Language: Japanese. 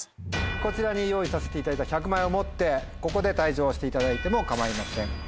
こちらに用意させていただいた１００万円を持ってここで退場していただいても構いません。